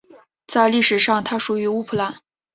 在历史上它属于乌普兰。